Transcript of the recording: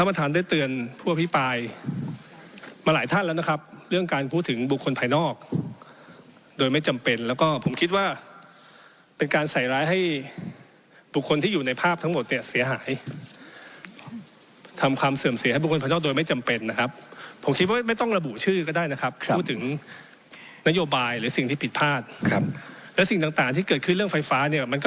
ประธานได้เตือนผู้อภิปรายมาหลายท่านแล้วนะครับเรื่องการพูดถึงบุคคลภายนอกโดยไม่จำเป็นแล้วก็ผมคิดว่าเป็นการใส่ร้ายให้บุคคลที่อยู่ในภาพทั้งหมดเนี่ยเสียหายทำความเสื่อมเสียให้บุคคลภายนอกโดยไม่จำเป็นนะครับผมคิดว่าไม่ต้องระบุชื่อก็ได้นะครับพูดถึงนโยบายหรือสิ่งที่ผิดพลาดครับและสิ่งต่างต่างที่เกิดขึ้นเรื่องไฟฟ้าเนี่ยมันก็